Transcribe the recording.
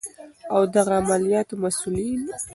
او د دغه عملیاتو مسؤلین